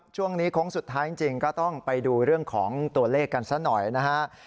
โค้งสุดท้ายจริงก็ต้องไปดูเรื่องของตัวเลขกันซะหน่อยนะฮะ